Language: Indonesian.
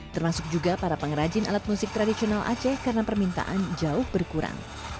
termasuk juga para pengrajin alat musik tradisional aceh karena permintaan jauh berkurang